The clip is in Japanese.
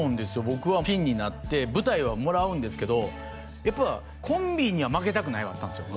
僕はピンになって舞台はもらうんですけどやっぱ「コンビには負けたくない」はあったんですよ